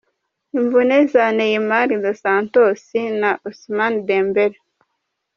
Imvune ya Neymar dos Santos na Ousmane Dembele.